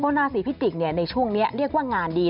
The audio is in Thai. เพราะราศีพิติกในช่วงนี้เรียกว่างานดี